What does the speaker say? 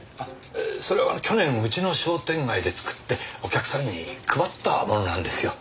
それは去年うちの商店街で作ってお客さんに配ったものなんですよ。